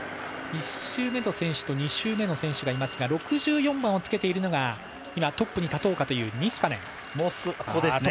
１周目の選手と２周目の選手がいますが６４番をつけているのがトップに立とうかというニスカネン。